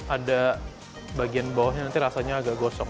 ada bagian bawahnya nanti rasanya agak gosong